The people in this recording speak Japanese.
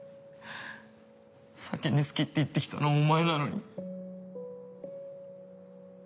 先に好きって言ってきたのお前なのに。